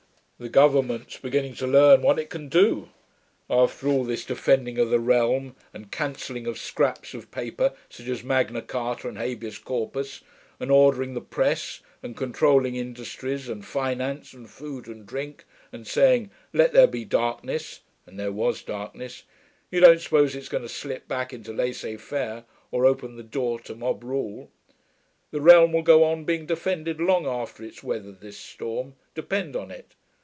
The Government's beginning to learn what it can do. After all this Defending of the Realm, and cancelling of scraps of paper such as Magna Carta and Habeas Corpus, and ordering the press, and controlling industries and finance and food and drink, and saying, 'Let there be darkness' (and there was darkness) you don't suppose it's going to slip back into laissez faire, or open the door to mob rule? The realm will go on being defended long after it's weathered this storm, depend on it.